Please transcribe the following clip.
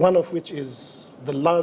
salah satunya adalah